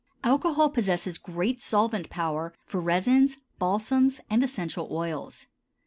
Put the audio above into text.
Alcohol possesses great solvent power for resins, balsams, and essential oils.